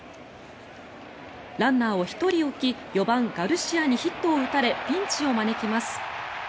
ランナーを１人置き４番、ガルシアにヒットを打たれピンチを招きます。